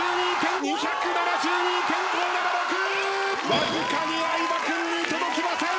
わずかに相葉君に届きません！